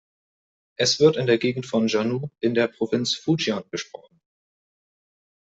Es wird in der Gegend von Jian’ou in der Provinz Fujian gesprochen.